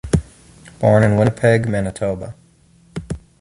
Born in Winnipeg, Manitoba.